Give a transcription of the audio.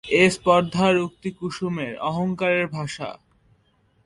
এ স্পর্ধার উক্তি কুসুমের, অহংকারের ভাষা।